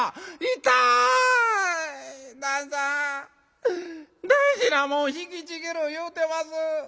「痛い！旦さん大事なもん引きちぎる言うてます」。